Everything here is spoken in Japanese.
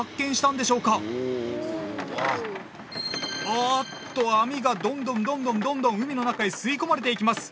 あーっと網がどんどんどんどんどんどん海の中へ吸い込まれていきます。